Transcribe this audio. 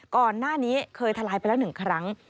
ก่อนหน้านี้เคยทะลายไปแล้ว๑ครั้ง